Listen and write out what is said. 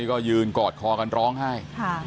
ก็ยืนกอดคอกันร้องไห้